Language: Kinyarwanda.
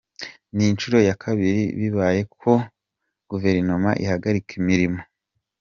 Ni inshuro ya kabiri bibayeho ko Guverinoma ihagarika imirimo.